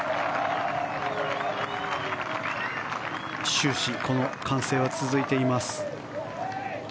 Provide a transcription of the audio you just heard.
終始、歓声は続いています。